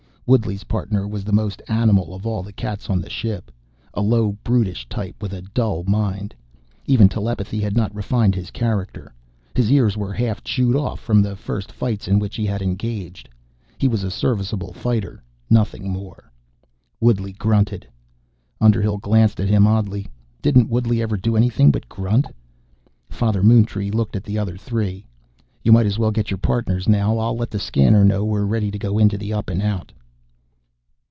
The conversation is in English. Woodley's Partner was the most animal of all the cats on the ship, a low, brutish type with a dull mind. Even telepathy had not refined his character. His ears were half chewed off from the first fights in which he had engaged. He was a serviceable fighter, nothing more. Woodley grunted. Underhill glanced at him oddly. Didn't Woodley ever do anything but grunt? Father Moontree looked at the other three. "You might as well get your Partners now. I'll let the Scanner know we're ready to go into the Up and Out."